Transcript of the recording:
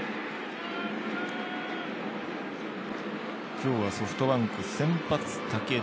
今日はソフトバンク先発武田。